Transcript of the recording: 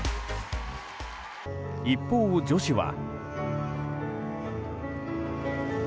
一方、女子は。